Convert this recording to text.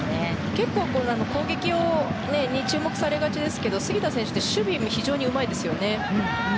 結構、攻撃に注目されがちですけど杉田選手って守備が非常にうまいですよね。